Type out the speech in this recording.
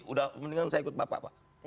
udah mendingan saya ikut bapak pak